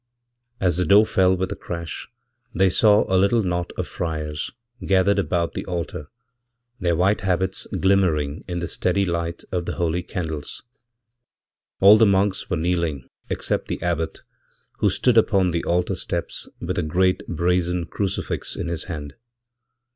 As the door fell with a crash they saw a little knot of friars, gathered about the altar, their white habits glimmering in the steadylight of the holy candles. All the monks were kneeling except theabbot, who stood upon the altar steps with a great brazen crucifix inhis hand.